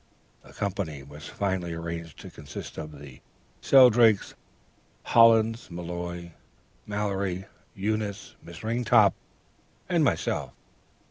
... "The company was finally arranged to consist of the Shelldrakes, Hollins, Mallory, Eunice, Miss Ringtop, and myself.